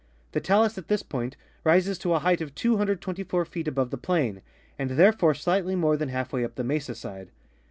The talus at this point rises to a height of 224 feet above the plain, and there fore slightly more than half way up the mesa side.